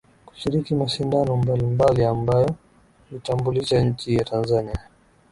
kushiriki mashindano mbalimbali ambayo huitambulisha nchi ya Tanzania